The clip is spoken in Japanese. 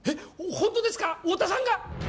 ホントですか太田さんが！？